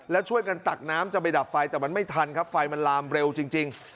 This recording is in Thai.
แล้วช่วยกันตักน้ำจะไปดับไฟแต่มันไม่ทันครับไฟมันลามเร็วจริง